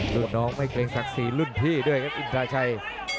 ลูกน้องไม่เกรงศักดิ์ศรีรุ่นพี่ด้วยครับอินทราชัย